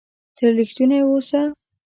تل ریښتونی اووسه!